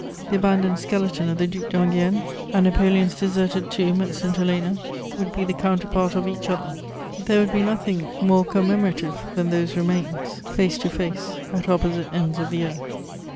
The abandoned skeleton of the Duc d'Enghien and Napoleon's deserted tomb at St Helena would be the counterpart of each other: there would be nothing more commemorative than those remains, face to face, at opposite ends of the earth.